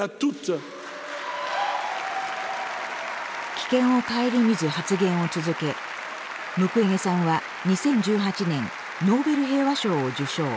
危険を顧みず発言を続けムクウェゲさんは２０１８年ノーベル平和賞を受賞。